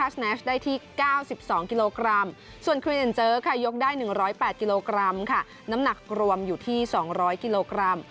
ส่วนครีเอ็นเจอร์ค่ะยกได้๑๐๘กิโลกรัมค่ะน้ำหนักรวมอยู่ที่๒๐๐กิโลกรัม